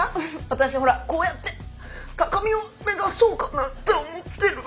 私ほらこうやって高みを目指そうかなって思ってる。